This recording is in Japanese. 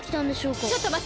ちょっとまって。